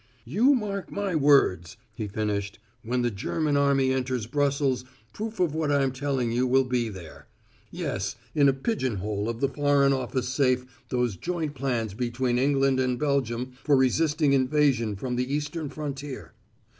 "You mark my words," he finished, "when the German army enters Brussels proof of what I'm telling you will be there. Yes, in a pigeonhole of the foreign office safe those joint plans between England and Belgium for resisting invasion from the eastern frontier.